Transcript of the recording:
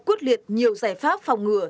quốc liệt nhiều giải pháp phòng ngừa